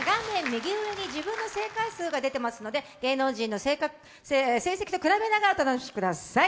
右上に自分の正解数が出ていますので、芸能人の成績と比べながら、お楽しみください。